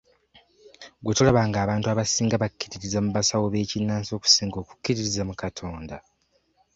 Gwe tolaba ng'abantu abasinga bakkiririza mu basawo b'ekinnansi okusinga okukkiririza mu Katonda?